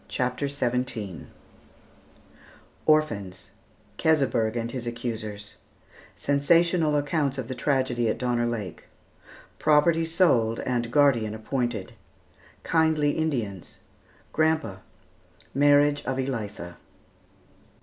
] CHAPTER XVII ORPHANS KESEBERG AND HIS ACCUSERS SENSATIONAL ACCOUNTS OF THE TRAGEDY AT DONNER LAKE PROPERTY SOLD AND GUARDIAN APPOINTED KINDLY INDIANS "GRANDPA" MARRIAGE OF ELITHA.